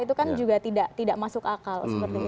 itu kan juga tidak masuk akal